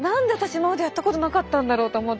今までやったことなかったんだろうと思って。